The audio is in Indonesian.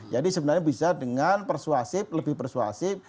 jadi sebenarnya bisa dengan persuasif lebih persuasif